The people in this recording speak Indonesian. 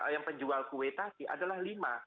yang penjual kue tadi adalah lima